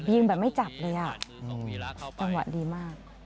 ยิงแบบไม่จับเลยอ่ะจังหวะดีมาก